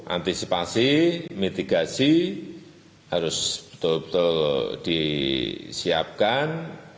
antisipasi mitigasi harus betul betul disiapkan